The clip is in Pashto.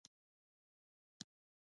ممیز د افغانستان د وچې میوې لویه برخه ده